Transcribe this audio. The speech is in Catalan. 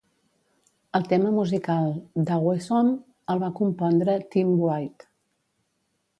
El tema musical d'"Awesome" el va compondre Tim Wright.